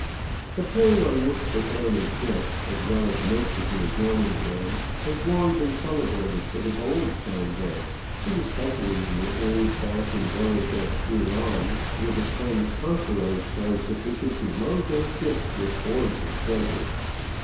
The plain on which the town is built, as well as most of the adjoining land, has long been celebrated for the gold found there, and especially in the old fashioned village of J iron, where the Spanish conquerors found sufficient to load their ships with hoards of treasure.